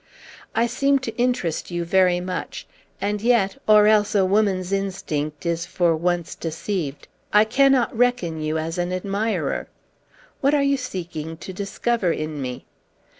I seem to interest you very much; and yet or else a woman's instinct is for once deceived I cannot reckon you as an admirer. What are you seeking to discover in me?"